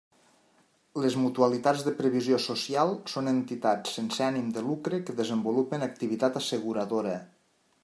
Les mutualitats de previsió social són entitats sense ànim de lucre que desenvolupen activitat asseguradora.